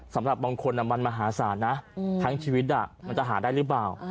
สำหรับบางคนมันมหาศาลนะทั้งชีวิตมันจะหาได้หรือเปล่า